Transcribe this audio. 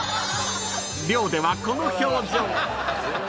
［寮ではこの表情］